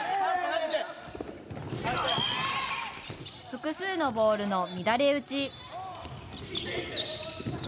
複数のボールの乱れ打ち。